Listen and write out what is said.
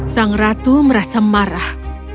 sang ratu merasa marah